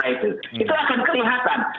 itu akan kelihatan